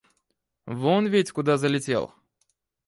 Вон ведь куда залетел!